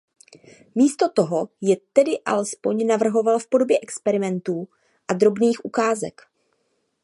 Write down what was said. Místo toho je tedy alespoň navrhoval v podobě experimentů a drobných ukázek.